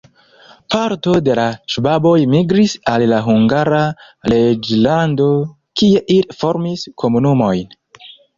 Parto de la ŝvaboj migris al la Hungara reĝlando, kie ili formis komunumojn.